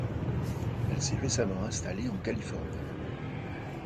Elle s'est récemment installée en Californie.